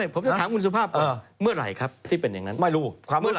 ผมจะถามคุณสุภาพก่อนเมื่อไหร่ครับที่เป็นอย่างนั้นไม่รู้